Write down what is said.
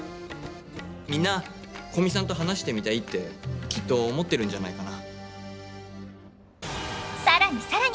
みんな古見さんと話してみたいってきっと思ってるんじゃないかな。